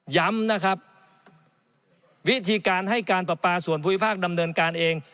ย้ำนะครับวิธีการให้การประปาส่วนภูมิภาคดำเนินการเอง